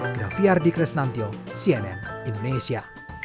graffiardi kresnantyo cnn indonesia